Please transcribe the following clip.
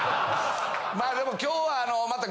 まあでも今日はまた。